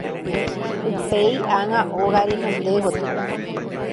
Upéi aha óga renonde gotyo.